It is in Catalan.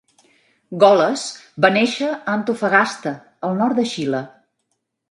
Goles va néixer a Antofagasta, al nord de Xile.